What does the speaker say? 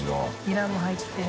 ニラも入って。